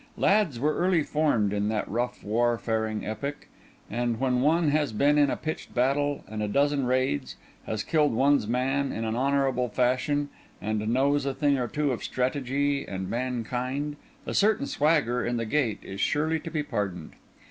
Lads were early formed in that rough, warfaring epoch; and when one has been in a pitched battle and a dozen raids, has killed one's man in an honourable fashion, and knows a thing or two of strategy and mankind, a certain swagger in the gait is surely to be pardoned.